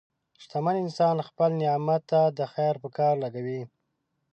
شتمن انسان خپل نعمتونه د خیر په کار لګوي.